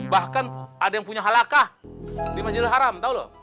bahkan ada yang punya halakah di masjid al haram tau lo